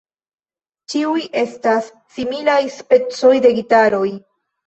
Ĉiuj estas similaj specoj de gitaroj.